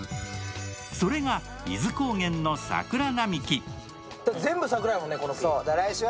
それが伊豆高原の桜並木。